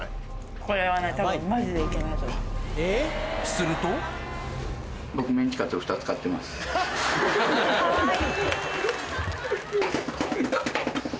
するとかわいい。